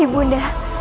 ibu nda tunggu